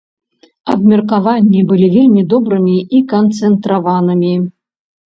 Абмеркаванні былі вельмі добрымі і канцэнтраванымі.